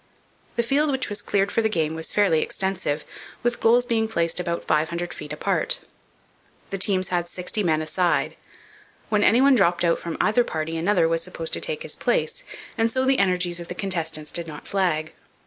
The field which was cleared for the game was fairly extensive, the goals being placed about five hundred feet apart. The teams had sixty men a side. When any one dropped out from either party another was supposed to take his place, and so the energies of the contestants did not flag.